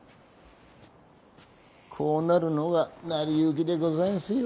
こうなるのが成り行きでござんすよ。